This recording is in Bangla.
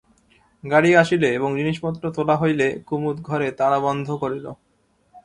গাড়ি আসিলে এবং জিনিসপত্র তোলা হইলে কুমুদ ঘরে তালা বন্ধ করিল।